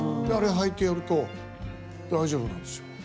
あれ履いてやると大丈夫なんですよ。